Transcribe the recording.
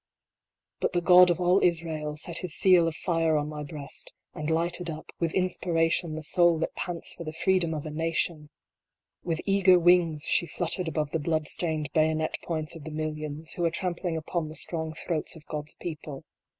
But the God of all Israel set His seal of fire on my breast, and lighted up, with inspiration, the soul that pants for the Freedom of a nation ! With eager wings she fluttered above the blood stained bayonet points of the millions, who are trampling upon the strong throats of God s people.